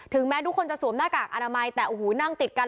แม้ทุกคนจะสวมหน้ากากอนามัยแต่โอ้โหนั่งติดกัน